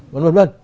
vân vân vân